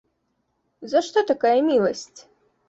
За што такая міласць?